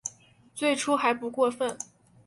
最初还不过分